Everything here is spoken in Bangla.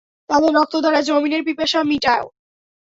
তাদের রক্ত দ্বারা জমিনের পিপাসা মিটাও।